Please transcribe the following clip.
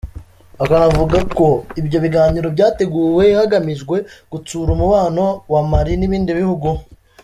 Akanavuga ko ibyo biganiro byateguwe hagamijwe gutsura umubano wa Mali n’ibindi bihugu.